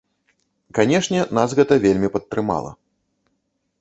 Канешне, нас гэта вельмі падтрымала.